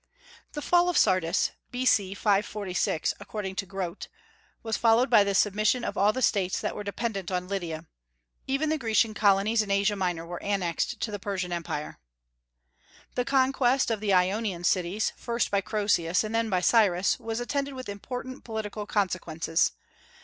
The fall of Sardis, B.C. 546, according to Grote, was followed by the submission of all the States that were dependent on Lydia. Even the Grecian colonies in Asia Minor were annexed to the Persian Empire. The conquest of the Ionian cities, first by Croesus and then by Cyrus, was attended with important political consequences.